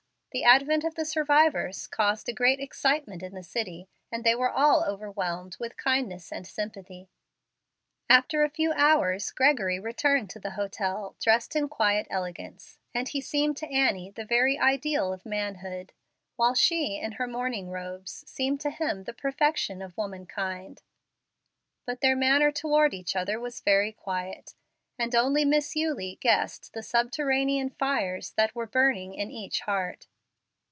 The advent of the survivors caused great excitement in the city, and they were all overwhelmed with kindness and sympathy. After a few hours Gregory returned to the hotel, dressed in quiet elegance, and he seemed to Annie the very ideal of manhood; while she, in her mourning robes, seemed to him the perfection of womankind. But their manner toward each other was very quiet, and only Miss Eulie guessed the subterranean fires that were burning in each heart.